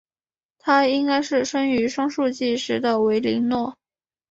她应该是生于双树纪时的维林诺。